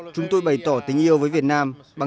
chúng tôi bày tỏ tình yêu với việt nam